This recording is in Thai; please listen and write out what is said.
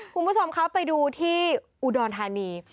คุณผู้ชมครับไปดูที่อุดรธานี